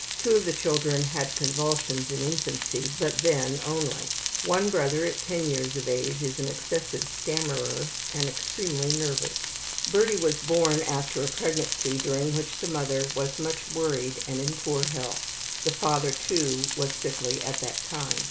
Two of the children had convulsions in infancy, but then only. One brother at 10 years old is an excessive stammerer and extremely nervous. Birdie was born after a pregnancy during which the mother was much worried and in poor health. The father, too, was sickly at that time.